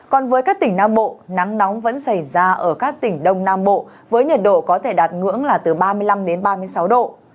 còn với các tỉnh nam bộ nắng nóng vẫn xảy ra ở các tỉnh đông nam bộ với nhiệt độ có thể đạt ngưỡng là từ ba mươi năm đến ba mươi sáu độ